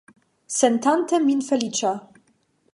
Sentante min feliĉa.